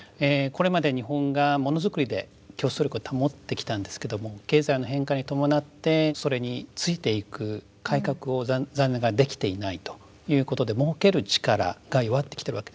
これまで日本がモノづくりで競争力を保ってきたんですけども経済の変換に伴ってそれについていく改革を残念ながらできていないということでもうける力が弱ってきてるわけですね。